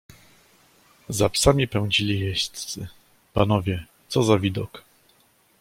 "Za psami pędzili jeźdźcy... panowie, co za widok!"